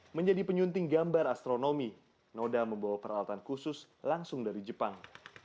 menjadi penyunting gambar astronomi noda membawa peralatan khusus langsung dari jepang